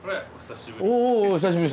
お久しぶり。